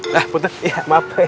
lah puter iya maaf